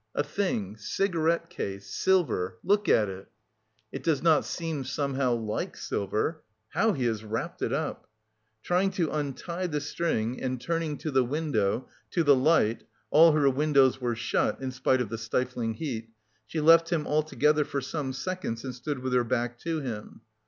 "A thing... cigarette case.... Silver.... Look at it." "It does not seem somehow like silver.... How he has wrapped it up!" Trying to untie the string and turning to the window, to the light (all her windows were shut, in spite of the stifling heat), she left him altogether for some seconds and stood with her back to him.